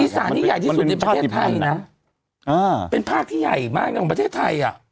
สานี่ใหญ่ที่สุดในประเทศไทยนะเป็นภาคที่ใหญ่มากในของประเทศไทยอ่ะ